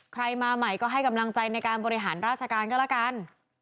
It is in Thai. ใครมาใหม่ก็ให้กำลังใจในการบริหารราชการก็แล้วกัน